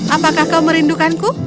apakah kau merindukanku